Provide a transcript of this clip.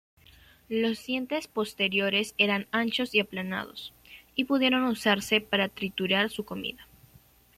Los dientes posteriores eran anchos y aplanados, y pudieron usarse para triturar su comida.